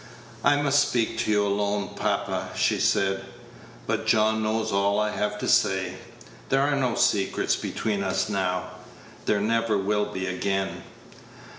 "I must speak to you alone, papa." she said; "but John knows all I have to say. There are no secrets between us now. There never will be again."